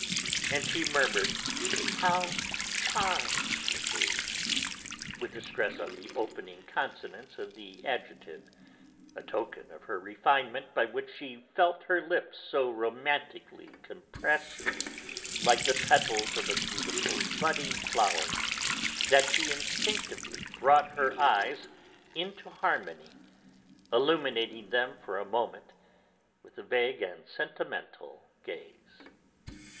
And she murmured "How charming it is!" with a stress on the opening consonants of the adjective, a token of her refinement by which she felt her lips so romantically compressed, like the petals of a beautiful, budding flower, that she instinctively brought her eyes into harmony, illuminating them for a moment with a vague and sentimental gaze.